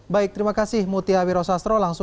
baik terima kasih mutia wiro sastro